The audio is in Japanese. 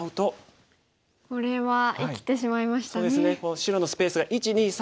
白のスペースが１２３４。